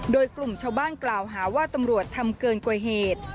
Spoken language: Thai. โดยกลุ่มชาวบ้านกล่าวหาว่าตำรวจทำเกินกว่าเหตุ